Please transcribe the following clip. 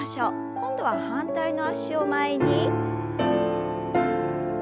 今度は反対の脚を前に。